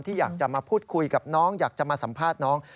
อยากจะมาพูดคุยกับน้องอยากจะมาสัมภาษณ์น้อง